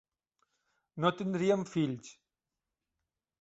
No tindrien fills.